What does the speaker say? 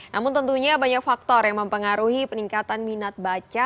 namun tentunya banyak faktor yang mempengaruhi peningkatan minat baca